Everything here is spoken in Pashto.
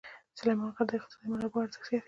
سلیمان غر د اقتصادي منابعو ارزښت زیاتوي.